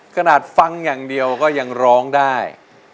ขนาดฟังอย่างเดียวก็ยังร้องได้